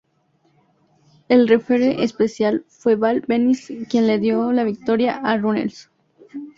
El referee especial fue Val Venis quien le dio la victoria a Runnels.